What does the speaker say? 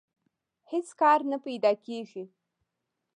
هېڅ کار نه پیدا کېږي